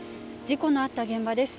事故のあった現場です。